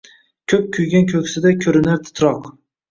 Ko’p kuygan ko’ksida kezinar titroq